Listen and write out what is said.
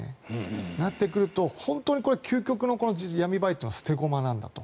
となってくると、究極の闇バイトの捨て駒なんだと。